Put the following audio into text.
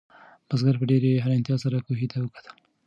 بزګر په ډېرې حیرانتیا سره کوهي ته وکتل.